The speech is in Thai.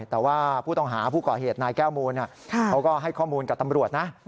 แต่ว่าผู้ต้องหาผู้ก่อเหตุนายแก้วมูลเขาก็ให้ข้อมูลกับตำรวจนะ